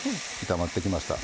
炒まってきました。